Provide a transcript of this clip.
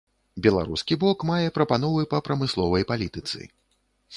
Беларускі бок мае прапановы па прамысловай палітыцы.